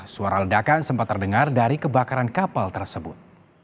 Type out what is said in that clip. suara ledakan sempat terdengar dari kebakaran kapal tersebut